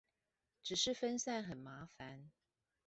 只是分散很麻煩